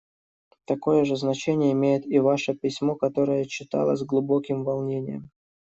Такое же значение имеет и ваше письмо, которое я читала с глубоким волнением.